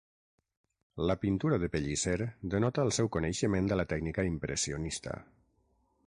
La pintura de Pellicer denota el seu coneixement de la tècnica impressionista.